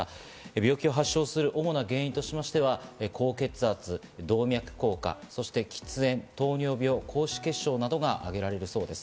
病気を発症する主な原因としましては高血圧、動脈硬化、そして喫煙、糖尿病、高脂血症などが挙げられるそうです。